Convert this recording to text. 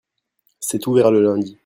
c'est ouvert le lundi.